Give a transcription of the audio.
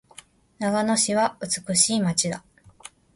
長野市は美しい街だ。